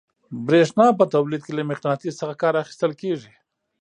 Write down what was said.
برېښنا په تولید کې له مقناطیس څخه کار اخیستل کیږي.